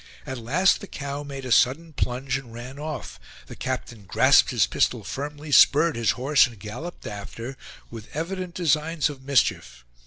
At last the cow made a sudden plunge and ran off; the captain grasped his pistol firmly, spurred his horse, and galloped after, with evident designs of mischief.